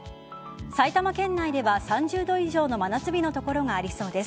埼玉県内では３０度以上の真夏日の所がありそうです。